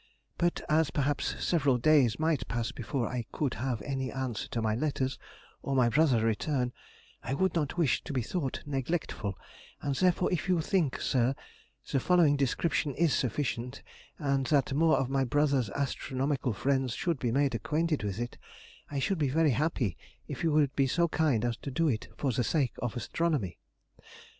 But as perhaps several days might pass before I could have any answer to my letters, or my brother return, I would not wish to be thought neglectful, and therefore if you think, sir, the following description is sufficient, and that more of my brother's astronomical friends should be made acquainted with it, I should be very happy if you would be so kind as to do it for the sake of astronomy.